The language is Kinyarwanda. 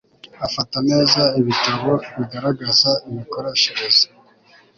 Afata neza ibitabo bigaragaza imikoreshereze